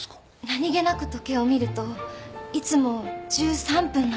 何げなく時計を見るといつも１３分なんです。